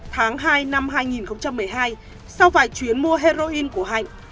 tháng hai năm hai nghìn một mươi hai sau vài chuyến mua heroin của hạnh